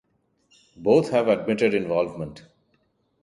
Both have admitted involvement.